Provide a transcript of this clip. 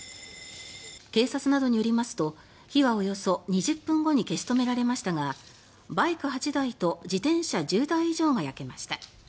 警察などによりますと火はおよそ２０分後に消し止められましたがバイク８台と自転車１０台以上が焼けました。